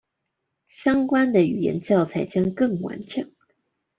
相關的語言教材將更完整